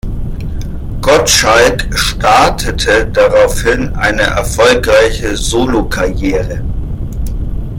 Gottschalk startete daraufhin eine erfolgreiche Solokarriere.